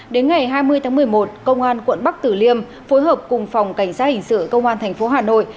đến ngày hai mươi tháng một mươi một công an quận bắc tử liêm phối hợp cùng phòng cảnh sát hình sự công an tp hà nội